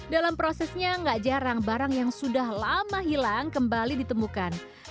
dalam prosesnya gak jarang barang yang sudah lama hilang kembali ditemukan